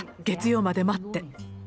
月曜まで待って」。